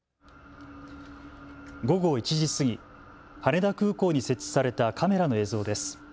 午後１時過ぎ、羽田空港に設置されたカメラの映像です。